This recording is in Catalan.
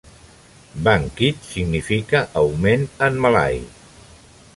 Bangkit significa "augment" en malai.